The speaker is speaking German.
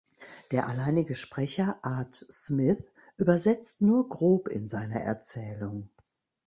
Der alleinige Sprecher Art Smith übersetzt nur grob in seiner Erzählung.